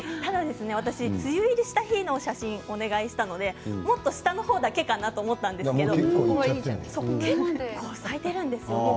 梅雨入りした日の写真をお願いしたのでもっと下の方だけかなと思ったんですが結構、咲いているんですよね。